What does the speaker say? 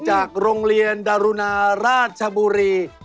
จากโรงเรียนดารุณาราชบุรี